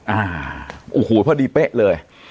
อ่าโอ้โหพอดีเป๊ะเลย